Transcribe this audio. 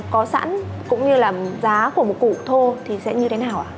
có sẵn cũng như là giá của một củ thô thì sẽ như thế nào ạ